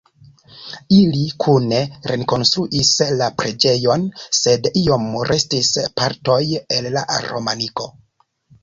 Ili kune rekonstruis la preĝejon, sed iom restis partoj el la romaniko.